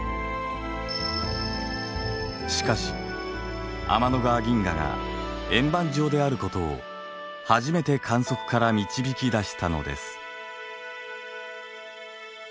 しかし天の川銀河が円盤状であることを初めて観測から導き出したのです。